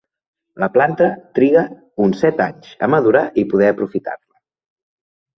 La planta triga uns set anys a madurar i poder aprofitar-la.